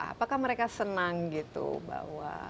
apakah mereka senang gitu bahwa